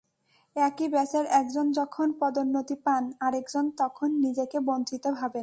একই ব্যাচের একজন যখন পদোন্নতি পান, আরেকজন তখন নিজেকে বঞ্চিত ভাবেন।